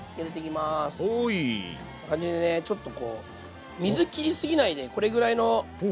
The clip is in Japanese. こんな感じでねちょっとこう水切り過ぎないでこれぐらいの感じで。